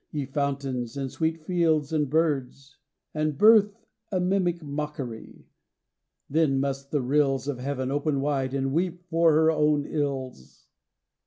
Ye fountains, and sweet fields and birds! and birth A mimic mocker>. Then must the rills Of heaven open wide and weep for her own ills."